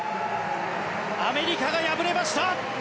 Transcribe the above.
アメリカが敗れました。